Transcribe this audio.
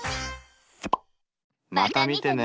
また見てね！